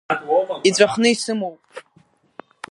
Иҵәахны исымоуп.